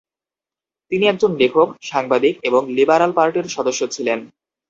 তিনি একজন লেখক, সাংবাদিক এবং লিবারাল পার্টির সদস্য ছিলেন ।